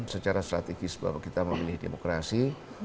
secara strategis bahwa kita memilih demokrasi